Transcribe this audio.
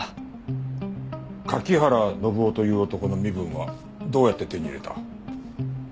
柿原伸緒という男の身分はどうやって手に入れた？